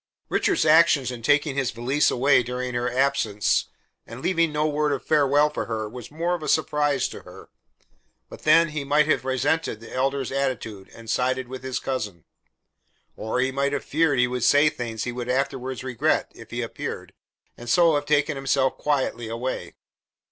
Richard's action in taking his valise away during her absence and leaving no word of farewell for her was more of a surprise to her. But then he might have resented the Elder's attitude and sided with his cousin. Or, he might have feared he would say things he would afterwards regret, if he appeared, and so have taken himself quietly away.